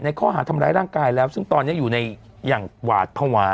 ข้อหาทำร้ายร่างกายแล้วซึ่งตอนนี้อยู่ในอย่างหวาดภาวะ